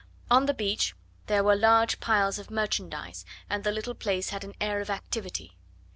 On the beach there were large piles of merchandise, and the little place had an air of activity.